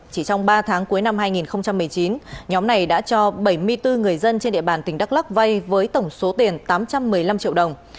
chỉ trong ba tháng cuối năm hai nghìn một mươi chín nhóm này đã cho bảy mươi bốn người dân trên địa bàn tỉnh đắk lắc vay với tổng số tiền tám trăm một mươi năm triệu đồng